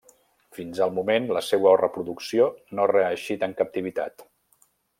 Fins al moment, la seua reproducció no ha reeixit en captivitat.